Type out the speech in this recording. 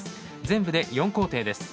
全部で４工程です。